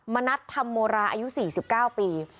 มานัดธรรมราอายุ๔๙ปี